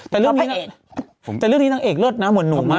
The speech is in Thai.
แต่เรื่องนี้ทางเอกเลิศนะเหมือนหนูมาก